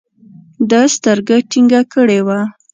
ده سترګه ټينګه کړې وه.